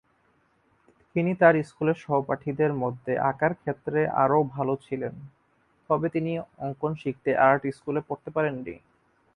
তিনি তাঁর স্কুলের সহপাঠীদের মধ্যে আঁকার ক্ষেত্রে আরও ভাল ছিলেন তবে তিনি অঙ্কন শিখতে আর্ট স্কুলে পড়তে পারেননি।